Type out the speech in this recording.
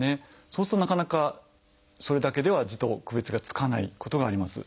そうするとなかなかそれだけでは痔と区別がつかないことがあります。